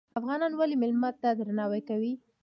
افغانان ولې میلمه ته درناوی کوي؟